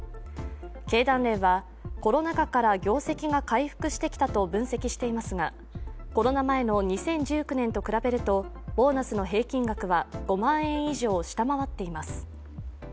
経団連はコロナ禍から業績が回復してきたと分析していますがコロナ前の２０１９年と比べるとボーナスの平均額は５万円以上下回っています。